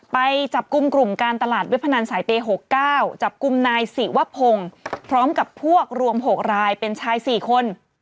ไปจับกลุ่มกลุ่มการตลาดเว็บพนันสายเปย์๖๙จับกลุ่มนายศิวพงศ์พร้อมกับพวกรวม๖รายเป็นชาย๔คน